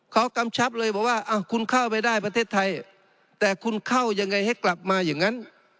เขากำชับเลยบอกว่าคุณเข้าไปได้ประเทศไทยแต่คุณเข้ายังไงให้กลับมาอย่างนั้น